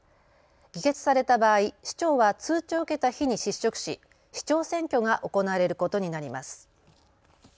議決された場合、市長は通知を受けた日に失職し市長選挙が行われることになります。